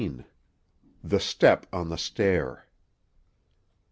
THE STEP ON THE STAIR.